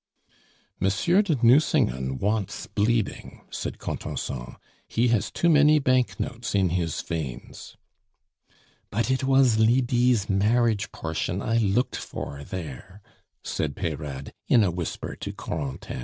"Monsieur de Nucingen wants bleeding," said Contenson; "he has too many banknotes in his veins." "But it was Lydie's marriage portion I looked for there!" said Peyrade, in a whisper to Corentin.